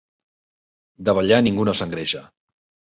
De ballar ningú no s'engreixa.